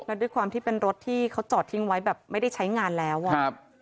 แล้วด้วยความที่เป็นรถที่เขาจอดทิ้งไว้แบบไม่ได้ใช้งานแล้วอ่ะครับ